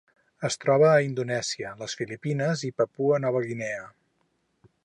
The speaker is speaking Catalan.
Es troba a Indonèsia, les Filipines i Papua Nova Guinea.